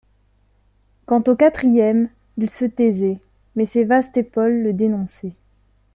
Quant au quatrième, il se taisait, mais ses vastes épaules le dénonçaient.